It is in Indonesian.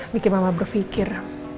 bikin mama berpikir